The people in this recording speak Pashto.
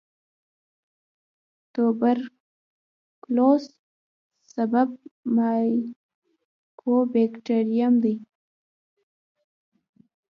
د توبرکلوس سبب مایکوبیکټریم دی.